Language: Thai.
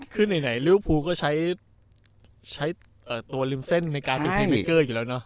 คือในไหนลิวฮูก็ใช้ตัวลิมเซ่นในการดูพิเมกเกอร์อยู่แล้วเนาะ